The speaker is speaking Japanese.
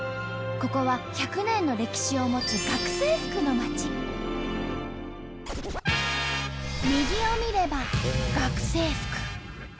ここは１００年の歴史を持つ右を見れば「学生服」。